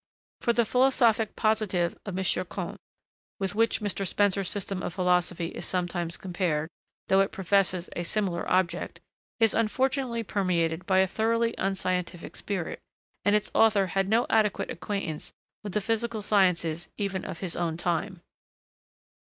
For the 'Philosophic positive' of M. Comte, with which Mr. Spencer's system of philosophy is sometimes compared, though it professes a similar object, is unfortunately permeated by a thoroughly unscientific spirit, and its author had no adequate acquaintance with the physical sciences even of his own time.